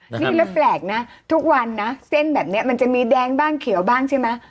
นี่แล้วแปลกนะทุกวันนะเส้นแบบนี้มันจะมีแดงบ้างเขียวบ้างใช่ไหม